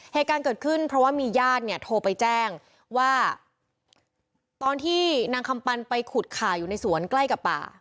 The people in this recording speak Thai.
เหตุการณ์เกิดขึ้นเพราะว่ามีญาติเนี่ยโทรไปแจ้งว่าตอนที่นางคำปันไปขุดข่ายอยู่ในสวนใกล้กับป่า